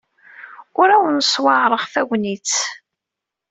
Ur awen-ssewɛaṛeɣ tagnit.